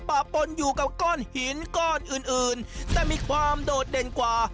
ปะปนอยู่กับก้อนหินก้อนอื่นอื่นแต่มีความโดดเด่นกว่า